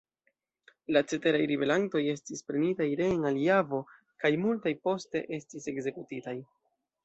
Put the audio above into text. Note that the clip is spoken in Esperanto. La ceteraj ribelantoj estis prenitaj reen al Javo kaj multaj poste estis ekzekutitaj.